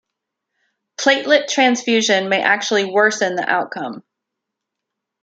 Platelet transfusion may actually worsen the outcome.